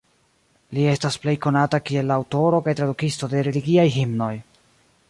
Li estas plej konata kiel la aŭtoro kaj tradukisto de religiaj himnoj.